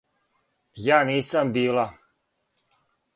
Ја нисам била.